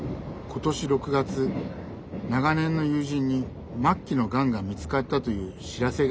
今年６月長年の友人に末期のがんが見つかったという知らせがありました。